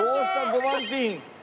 ５番ピン。